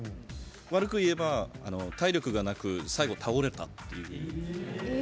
悪く言えば体力がなく最後倒れたっていう。